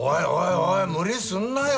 おい無理すんなよ